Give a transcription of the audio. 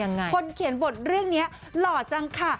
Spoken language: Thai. คนเขียนบทเรื่องนี้หล่อจังค่ะ